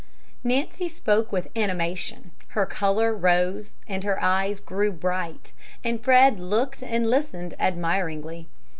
Nancy spoke with animation, her color rose and her eyes grew bright, and Fred looked and listened admiringly.